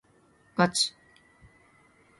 ガチ？